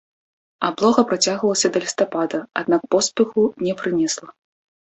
Аблога працягвалася да лістапада, аднак поспеху не прынесла.